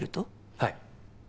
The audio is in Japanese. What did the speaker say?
はい。